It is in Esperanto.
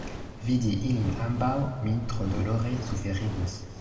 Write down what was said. Vidi ilin ambaŭ min tro dolore suferigus.